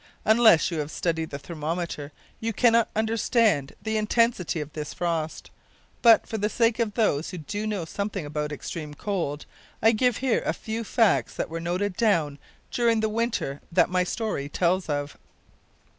Unless you have studied the thermometer you cannot understand the intensity of this frost; but for the sake of those who do know something about extreme cold, I give here a few facts that were noted down during the winter that my story tells of.